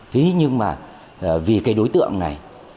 thế nhưng mà vì cái đối tượng này